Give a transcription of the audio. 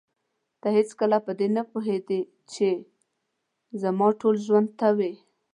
ته هېڅکله په دې نه پوهېدې چې زما ټول ژوند ته وې.